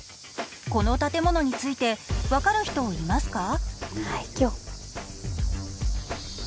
「この建物について分かる人いますか？」